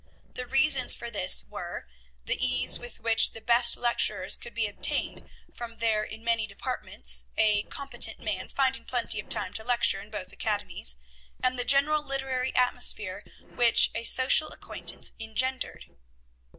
The reasons for this were, the ease with which the best lecturers could be obtained from there in many departments (a competent man finding plenty of time to lecture in both academies), and the general literary atmosphere which a social acquaintance engendered.